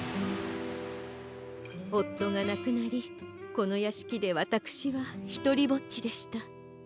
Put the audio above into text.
おっとがなくなりこのやしきでわたくしはひとりぼっちでした。